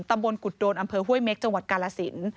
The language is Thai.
ตำรวจกุฎโดนอฮวยเมกจกาลสิน